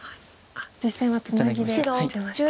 実戦はツナギで打ちました。